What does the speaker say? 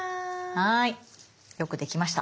はいよくできました。